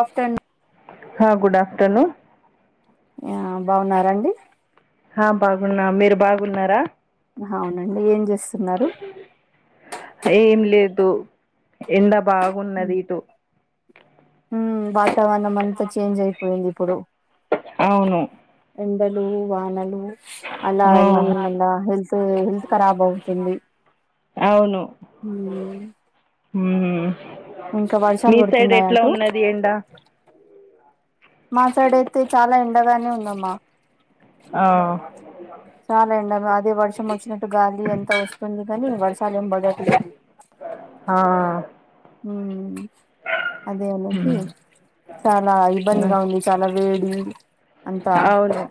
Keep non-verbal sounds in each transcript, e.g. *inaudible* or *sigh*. Afternoon హ good afternoon ఆ బాగున్నారండి హ బాగున్నా మీరు బాగున్నారా అవునండి ఏం చేస్ ఏం లేదు ఎండా బాగున్నది ఇటు హ్మ్ వాతావరణం అంతా చేంజ్ అయిపోయింది ఇప్పుడు అవును ఎండలు వానలు అలా ఆ, నే మళ్ళా హెల్త్ హెల్త్ ఖరాబ్ అవుతుంది అవును ఉమ్, ఊ ఇంకా వర్షాలు మీ సైడ్ పడుతున్నాయి ఎట్లా అటు ఉన్నది ఎండా మా సైడ్అయితే చాలా ఎండగానే ఉందమ్మా ఆ చాలా ఎండ అదే వర్షం వచ్చిన గాలి అంతా వస్తుంది కానీ వర్షాలు ఏం పడట్లేదు ఆ, ఊ అదే అనేసి మ్మ్. చాలా మ్మ్. ఇబ్బందిగా ఉంది చాలా వేడి అంతా అవును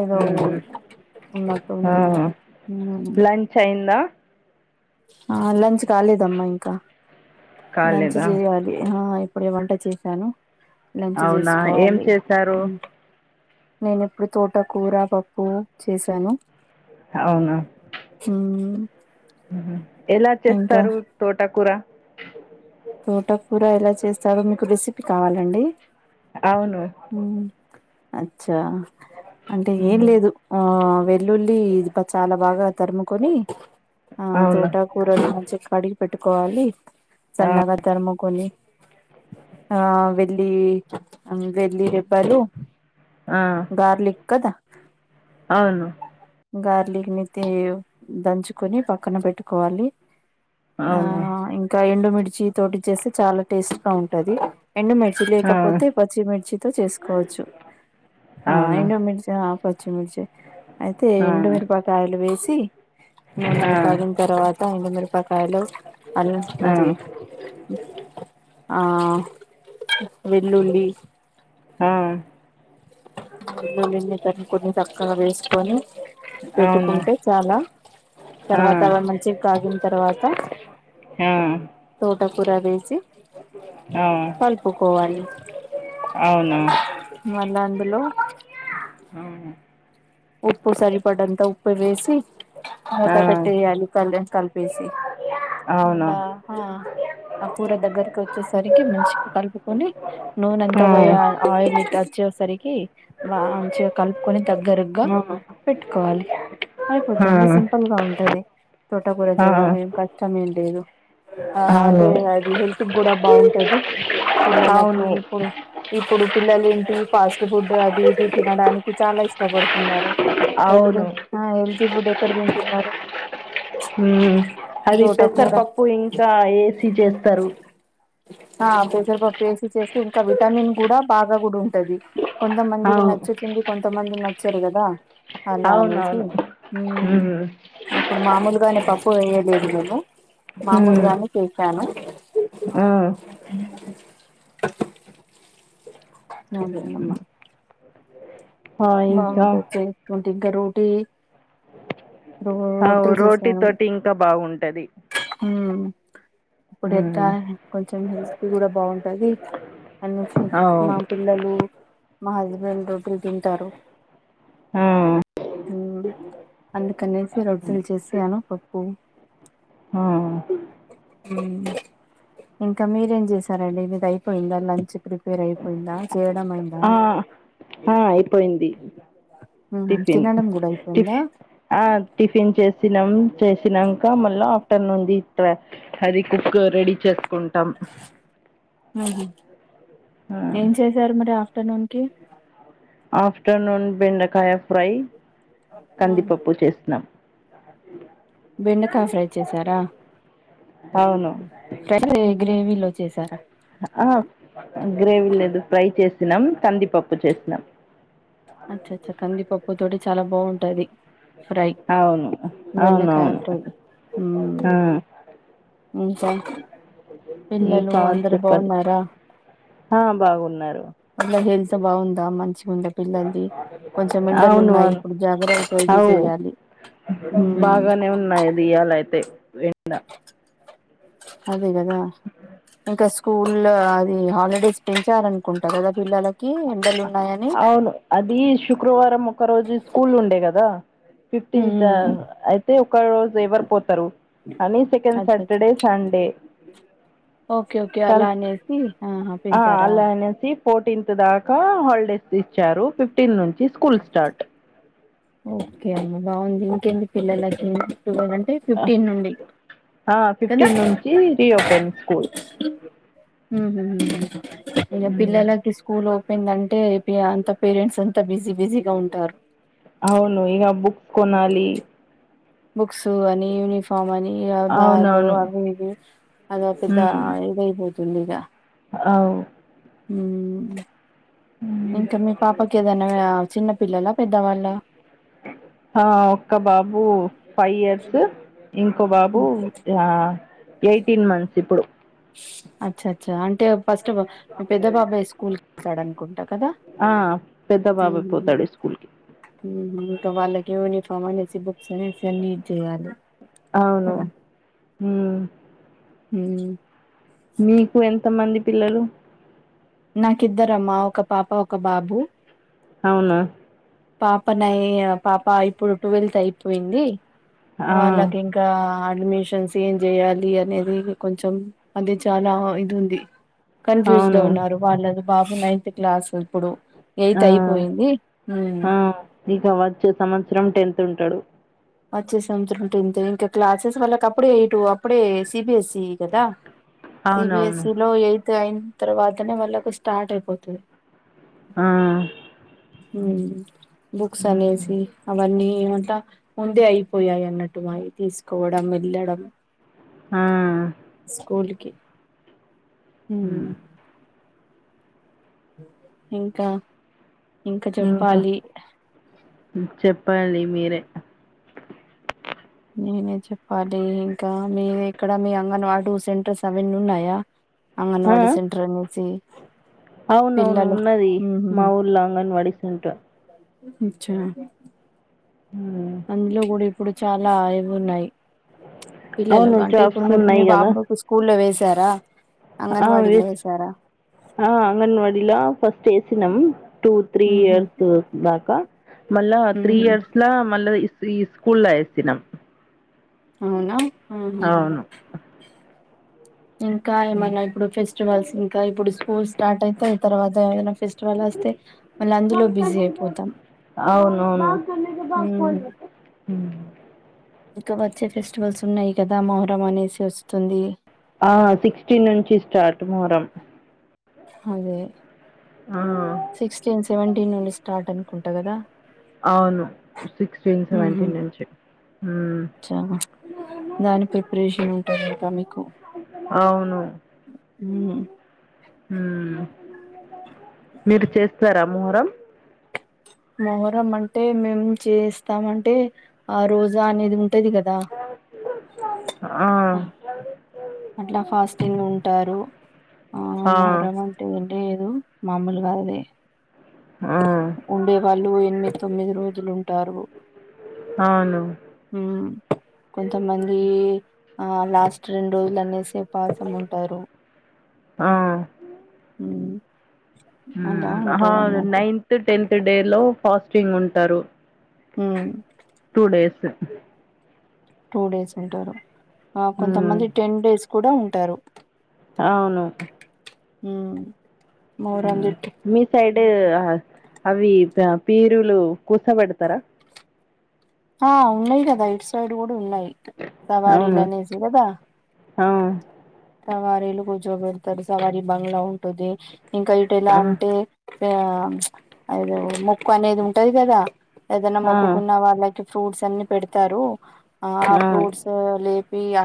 ఏదో ఉ మ్మ్. వున్నట్టు ఉంది ఊ అయ్యింద ఆ లంచ్ కాలేదమ్మా ఇంకా లంచ్ కాలేదా చేయాలి అప్పుడే వంట చేశాను లంచ్ అవునా ఏం చేసుకోవాలి చేశారు నేనెప్పుడు తోట కూర పప్పు చేశాను అవునా హు ఎలా చేస్తారు తోటకూర తోటకూర ఎలా చేస్తారో మీకు రెసిపీ కావాలండి అవును అచ్చా అంటే ఏం లేదు ఆ వెల్లుల్లి చాలా బాగా తరుముకొని ఆ అవును తోటకుర్రను నుంచి కడిగి పెట్టుకోవాలి ఆ, సన్నగా తరుము కొని ఆ వేలి వేలిరెబ్బలు ఆ, గార్లిక్ కదా అవును గార్లిక్ ని దంచుకొని పక్కన పెట్టుకోవాలి ఆ అవును ఇంకా ఎండుమిర్చి తోటి చేస్తే చాలా టేస్ట్ గా ఉంటది ఎండుమిర్చి ఆ! లేకపోతే పచ్చిమిర్చితో చేసుకోవచ్చు ఆ అవును. ఎండుమిర్చి పచ్చిమిర్చి తే ఆ! ఎండు మిరపకాయలు వేసి ఆ! నూనెలు కాగిన తర్వాత ఎండుమిరపకాయలు అ ఆ! అది ఆ వెల్లుల్లి ఆ వెల్లుల్లి తరుముకొని చక్కగా వేసుకొని అవును. పెట్టుకుంటే చాలా ఆ! తర్వాత అవి మంచివి కాగిన తర్వాత ఆ! తోటకూర వేసి ఆ! కలుపుకోవాలి అవును. మళ్ళా అందులో ఆ ఉప్పు సరిపడంత ఉప్పు వేసి మూత పెట్టేయాలి అల క కలిపిసి అవును. ఆ కూర దగ్గరకి వచ్చేసరికి మంచిగా కలుపుకొని ఆ! ఆ! నూనెంతా పో ఆ! ఆయిల్ ఇచ్చ వచ్చేసరికి మంచిగా కలుపుకొని దగ్గరగా పెట్టుకోవాలి అయిపోద్దండి సింపుల్ గా ఉంటది తోటకూర ఆ, చేయడం ఏం కష్టం ఏం లేదు ఆ అవును. అంటే అది హెల్త్ కూడా బాగుంటది పిల్లలకి అవును. ఇప్పుడు ఇప్పుడు పిల్లలు ఫాస్ట్ ఫుడ్ అది ఇది తినడానికి చాలా ఇష్టపడుతున్నారు హెల్తీ అవును. ఆ హెల్తీ ఫుడ్ ఎక్కడ తింటున్నరు ఉ అది పెసరపప్పు ఇంకా ఏసీ చేస్తారు ఆ పేసర్పప్పు వేసి చేస్తే ఇంకా విటమిన్ కూడా బాగా కూడా ఉంటది కొంతమందికి అవును. నచ్చుతుంది కొంతమందికి నచ్చదు కదా అలా అనేసి అవునవును ఉమ్, ఇప్పుడు మామూలుగానే పప్పు పోయిదు ఇందులో మామూలు ఉమ్, గానే చేశాను ఆ అదే అమ్మా ఆ ఇంకా బాగుంటది చూడు ఇక్కడ ఓటి అవు రోటిల్ రోటీ చేశాను తోటి ఇంకా బాగుంటది హ్మ్ ఇప్పుడు ఎట్ల కొంచెం హెల్త్ కి కూడ బాగుంటది అనేసి అవును మా పిల్లలు మా హస్బెండ్ రోజు తింటారు హ్మ్ హ్మ్ అందుకనేసి రొట్టెలు చేసాను పప్పు హ్మ్ హ్మ్ ఇంకా మీరేం చేసారండి మీది అయిపోయిందా లంచ్ ప్రిపేర్ అయిపోయిందా చేయడం అయిందా ఆ, ఆ, అయిపోయింది ఉహు టిఫిన్ తినడం కూడా టిప్ అయిపోయిందా ఆ టిఫిన్ చేసినాం చెస్ వచ్చినంక మళ్ళా ఆఫ్టర్నూన్ ది అది కుక్ రెడీ చేస్ కుంటాం ఉహు ఏం చేశారు మరి ఆఫ్టర్నూన్ కి ఆఫ్టర్నూన్ బెండకాయ ఫ్రై కందిపప్పు చేసినం అ బెండకాయ ఫ్రై చేసారా అవును ఫ్రై గ్రేవీలో చేసార ఆ గ్రేవీ లేదు ఫ్రై చేసినాం కందిపప్పు చేసినాం అచ్చ అచ్చా కందిపప్పు తోటి చాల బాగుంటది ఫ్రై అవును బెండకాయ అవునవును ఫ్రై ఆ ఇంకా పిల్లలు ఇంకా అందరు చెప్పండి బాగున్నార ఆ బాగున్నారు అట్లా హెల్త్ బాగుందా మంచిగ ఉందా పిల్లల్ది కొంచెం ఎండలు అవును ఉన్నాయి అవును ఇప్పుడు జాగ్రత్త తీసుకో అవు చేయాలి బాగానే ఉన్నాయి ది ఇయ్యాల అయితే ఎండ అదే కద ఇంక స్కూల్ అది హాలిడేస్ పెం చ్చారనుకుంటా కదా పిల్లలకి ఎండలు ఉన్నాయని అవును అది శుక్రవారం ఒక రోజు స్కూల్ ఉండే గద ఫిఫ్టీన్త్ మ్మ్ అయితే ఒక రోజు ఎవరి పో తరు అని second Saturday Sunday okay okay అలా అనేసి ఆహా ఆ పెంచారా అలా అనేసి ఫోర్టీన్త్ దాక హాలిడేస్ ఇచ్చారు ఫిఫ్ ఫిఫ్టీన్ నుంచి స్కూల్ స్టార్ట్ ఒకే అండి బాగుంది ఈకేంది పిల్లలకి ట్వెల్ అంటే ఫిఫ్టీన్ నుండి ఆ కదా ఫిఫ్టీన్ నుంచి రీఓపెన్ స్కూల్ ఉహ్మ్ ఇగ హ్మ్. పిల్లలకి స్కూల్ ఓపోయిందంటే అంత పేరెంట్స్ అంత బిజి అవును ఇగ బుక్స్ కొనాలి బుక్స్ అని యూనిఫామ్ అని అ బ్యాగు అవునవును అవి ఇవి అదో పెద్ద ఇది అయిపోతుంది ఇగ అవ్ హ్మ్ ఇంకా మీ పాపకి ఏదైన చిన్న పిల్లల పెద్దవాళ్ళ ఆ ఒక్క బాబు ఫైవ్ ఇయర్స్ ఇంకో బాబు ఆ ఎయిటీన్ మంత్స్ ఇప్పుడు అచ్చ అచ్చా అంటే ఫస్ట్ ఆఫ్ మీ పెద్ద బాబు స్కూల్ కు వెళ్తాడు అనుకుంటా కదా ఆ పెద్ద బాబే పోతాడు ఈ స్కూల్ కి ఇంకా వాళ్ళకి యూనిఫామ్ అనేసి బుక్స్ అనేసి అన్ని ఇది చేయాలి అవును కదా మ్ మ్ మీకు ఎంతమంది పిల్లలు నాకిద్దరమ్మా ఒక పాప ఒక బాబు అవునా పాప నై పాప ఇప్పుడు ట్వెల్త్ అయిపోయింది ఆ వాళ్లకి ఇంకా అ అడ్మిషన్స్ ఏం చెయాలి అనేది కొంచెం అది చాలా ఇది ఉంది కన్ఫ్యూజ్ లో అవును ఉన్నారు వాళ్లది బాబు నైన్త్ క్లాస్ ఇప్పుడు ఆ ఎయిత్ అయిపోయింది ఉమ్ ఆ ఇగ వచ్చే సంవత్సరం టెన్త్ ఉంటడు వచ్చే సంవత్సరం టెన్త్ ఇంకా క్లాసెస్ క అప్పుడే ఏయిటు అప్పుడే సిబిఎసి కదా అవునవును సిబిఎస్ఈ లో ఎయిత్ జాయిన్ తర్వాతనే వాళ్ళకు స్టార్ట్ అయిపోతుంది ఆ బుక్స్ ఉమ్ అనేసి అవన్నీ అంట ముందే అయిపోయాయి అన్నట్టు మాయి తీసుకోవడం వెళ్ళడం ఆ స్కూల్కి మ్ ఇంకా ఇంకా చెప్పాలి చెప్పాలి మీరే నేనే చెప్పాలి ఇంకా మీవు ఎక్కడ మీ అంగన్ ఆటు సెంటర్స్ అవన్నీ ఉన్నాయా ఆ అంగన్వాడి ఆ? సెంటర్ అనేసి అవునవును పిల్లలు ఉన్నది మా ఉహుహు. ఊర్ల అంగని వాడి అచ్చా హ్మ్. అందులో కూడా ఇప్పుడు చాలా యివి ఉన్నాయి అవును పిల్లలుగా అంటే ఇప్పుడు జాబ్స్ మ్ మీ ఉన్నాయి కదా బాబుకు స్కూల్లో వేసారా ఆ అంగన్వాడీలో విస్ వేసారా ఆ అంగన్వాడీలా ఫస్ట్ ఎసినం టూ త్రీ ఇయర్స్ దాకా మళ్ళా త్రీ ఇయర్స్ మళ్ళా ఇస్ ఈ్ర స్కూల్ల్ల ఎసినం అవునా అహ హా ఇంకా ఏమైనా ఇప్పుడు ఫెస్టివల్స్ ఇంకా ఇప్పుడు స్కూల్ స్టార్ట్ అయితే తర్వాత ఏమన్న ఫెస్టివల్ వస్తే మళ్ళ అందులో బిజీ అయిపోతాం అవును హ్మ్. ఇంక వచ్చే ఫెస్టివల్స్ ఉన్నాయి కదా మొహరం అనేసి వస్తుంది ఆ సిక్స్టీన్ నుంచి స్టార్ట్ మొహరం అదే ఆ సిక్స్టీన్ సెవెంటీన్ నుండి స్టార్ట్ అనుకుంటా కదా అవును సిక్స్టీన్ సెవెంటీన్ నుంచి మ్మ్ చ దాని ప్రిపరేషన్ ఉంటాంది ఇంకా మీకు అవును హ్మ్. మ్ మీరు చేస్తారా మొహరం మొహరం అంటే మేము చేస్తాం అంటే ఆ రోజా అనేది ఉ ఆ అట్లా ఫాస్టింగ్ ఉంటారు ఆ మొహరం అంటే ఏం లేదు మామూలుగా అదే ఆ ఉండేవాళ్ళు ఎనిమిది తొమ్మిది రోజులుంటారు అవును కొంతమంది ఆ లాస్ట్ రెండు రోజుల్నేసే పాసం ఉంటారు ఆ అలా ఆహా ఉంటారు అన్నట్టు నైన్త్ టెన్త్ డే లో ఫాస్టింగ్ ఉంటారు హ టూ డేస్ టూ డేస్ ఉంటారు ఆ మ్మ్ కొంతమంది టెన్ డేస్ కూడా ఉంటారు అవును హ్మ్ మీ సైడ్ అవి పీరులు కూసబెడతారా ఆ ఉన్నాయి కదా యిట్ సైడ్ కూడా ఉన్నాయి సవారలనేసిరదా అ సవారీలు కూచో పెడతారు సవారి బంగ్లా ఉంటుది ఇంకా ఇటు ఎలా ఆ అంటే ఆ అదో మొక్కనేది ఉంటది కదా ఏదైనా ఆ మొక్కుకున్న వాళ్ళకి ఫ్రూట్స్ అన్ని పెడతారు ఆ ఆ ఫ్రూట్స్ లే ప్పి ఆ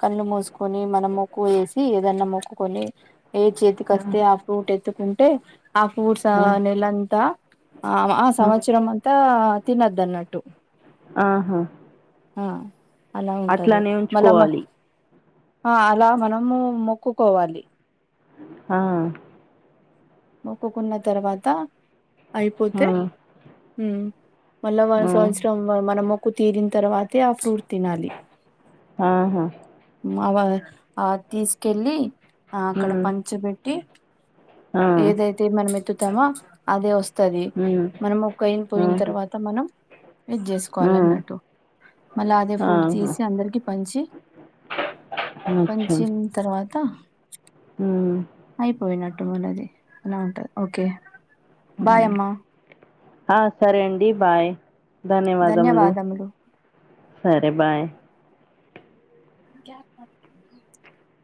కళ్ళు మూసుకొని మనం మొక్కువ వేసి ఏదన్నా మొక్కుకొని ఏ చేతికి వస్తే ఆ ఫ్రూట్ ఎత్తుకుంటే ఆ ఫూడ్స్ ఆ నెలంతా ఆ ఆ సంవత్సరం అంతా తిన్నదాన్నట్టు ఆహా ఆ అలా ఉంటుంది అట్లానే మళ్ళ మ ఉంచుకోవాలి ఆ అలా మనము మొక్కుకోవాలి ఆ మొక్కకున్న తర్వాత ఆ అయిపోతే హ్మ్ మళ్ళా వాలా ఆ సంవత్సరంలో మన మొక్కు తీరిన తర్వాతే ఆ ఫ్రూట్ తినాలి ఆహా అ ఆ తీసుకెళ్ళి ఆ అక్కడ ఉమ్ పంచ పెట్టి ఆ ఏదైతే మనం ఎత్తుతామో అదే వస్తుది ఉమ్ మనం ఓకైనా పోయిన ఆహా తర్వాత మనం ఇది ఆ చేసుకోవాలి అన్నట్టు మళ్ళీ అదే ఫ్రూట్ ఆహా తీసి అందరికి పంచి అచ్చా పంచ్చిన్ తర్వాత ఉమ్ అయిపోయినట్టు మూనది అలా ఉంటది ఓకే ఉమ్. బాయమ్మా ఆ సరే అండి బాయ్ ధన్యవాదములు సరే బాయ్ కెప్ *unintelligible*